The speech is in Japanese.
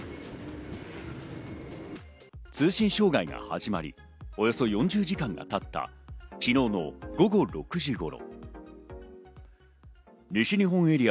通信障害が始まり、およそ４０時間が経った昨日の午後６時頃。